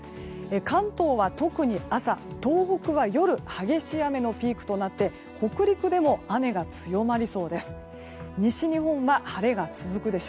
関東は特に朝、東北は夜に激しい雨のピークとなって北陸でも雨が強まりそうです。